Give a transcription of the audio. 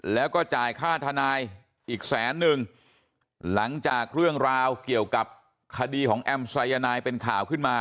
แล้วก็จ่ายค่าทนายอีกแสนนึงหลังจากเรื่องราวเกี่ยวกับคดีของแอมสายนายเป็นข่าวขึ้นมา